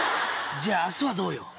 じゃあ明日はどうよ？